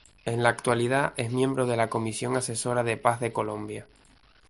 En la actualidad es miembro de la Comisión Asesora de Paz de Colombia.